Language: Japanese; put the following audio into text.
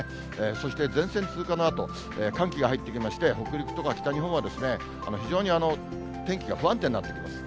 そして前線通過のあと寒気が入ってきまして、北陸とか北日本は、非常に天気が不安定になってきます。